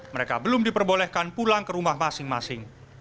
mereka belum diperbolehkan pulang ke rumah masing masing